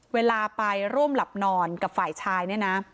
เวลาไปร่วมหลับนอนกับฝ่ายชายเนี่ยนะ